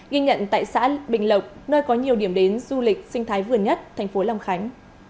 ghi nhận tại xã bình lộc nơi có nhiều điểm đến du lịch sinh thái vừa nhất thành phố long khánh